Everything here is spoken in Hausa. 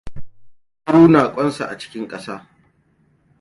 Kunkuru na ƙwansa a cikin ƙasa.